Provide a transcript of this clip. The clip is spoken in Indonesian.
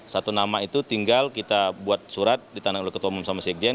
satu nama itu tinggal kita buat surat ditandang oleh ketua umum sama sekjen